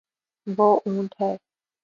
وہ اونٹ ہے